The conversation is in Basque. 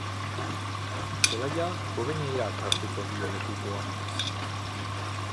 Zelaia jubenilak hartu dio lekukoa.